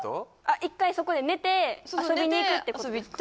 １回そこで寝て遊びに行くってことですか？